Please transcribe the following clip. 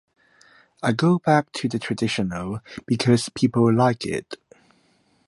I go back to the traditional because people like it.